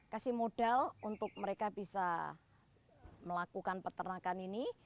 kasih modal untuk mereka bisa melakukan peternakan ini